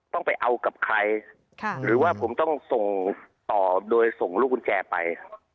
ต้องไปเอากับใครหรือว่าผมต้องส่งต่อโดยส่งลูกกุญแจไป